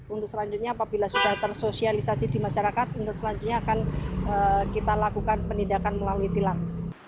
untuk selanjutnya apabila sudah tersosialisasi di masyarakat untuk selanjutnya akan kita lakukan penindakan melalui tilang